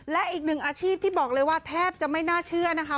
และอีกหนึ่งอาชีพที่บอกเลยว่าแทบจะไม่น่าเชื่อนะคะ